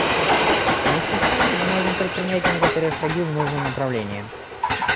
Вместе с тем мы можем предпринять некоторые шаги в нужном направлении.